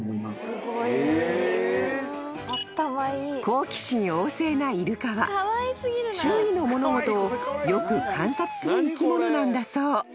［好奇心旺盛なイルカは周囲の物事をよく観察する生き物なんだそう］